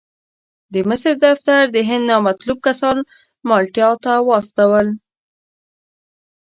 د مصر دفتر د هند نامطلوب کسان مالټا ته واستول.